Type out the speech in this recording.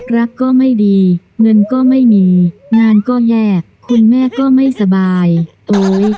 รักก็ไม่ดีเงินก็ไม่มีงานก็แยกคุณแม่ก็ไม่สบายโอ๊ย